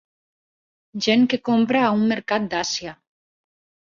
Gent que compra a un mercat d'Àsia.